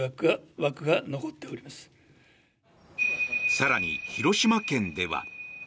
更に、広島県では。